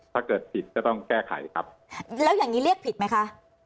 ถ้าเกิดผิดก็ต้องแก้ไขครับแล้วอย่างนี้เรียกผิดไหมคะ